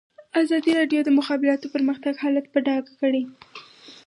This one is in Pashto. ازادي راډیو د د مخابراتو پرمختګ حالت په ډاګه کړی.